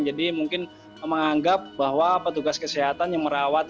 jadi mungkin menganggap bahwa petugas kesehatan yang merawat